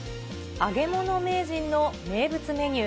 揚げ物名人の名物メニュー。